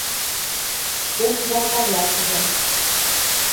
Шке шӱжар Тарлячыжым